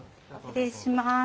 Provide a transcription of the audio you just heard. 失礼します。